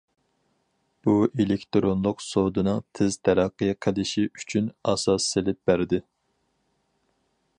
بۇ ئېلېكتىرونلۇق سودىنىڭ تېز تەرەققىي قىلىشى ئۈچۈن ئاساس سېلىپ بەردى.